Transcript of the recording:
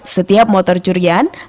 setiap motor curian akan